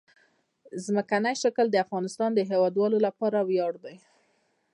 ځمکنی شکل د افغانستان د هیوادوالو لپاره ویاړ دی.